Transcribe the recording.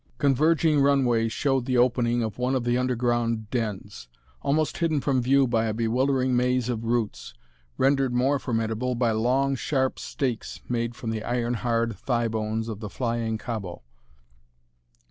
Converging runways showed the opening of one of the underground dens, almost hidden from view by a bewildering maze of roots, rendered more formidable by long, sharp stakes made from the iron hard thigh bones of the flying kabo.